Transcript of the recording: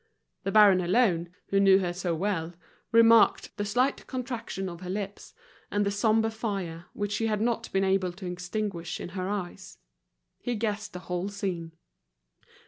The baron alone, who knew her so well, remarked, the slight contraction of her lips, and the sombre fire, which she had not been able to extinguish in her eyes. He guessed the whole scene.